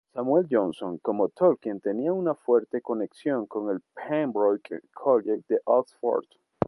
Samuel Johnson, como Tolkien, tenía una fuerte conexión con el Pembroke College de Oxford.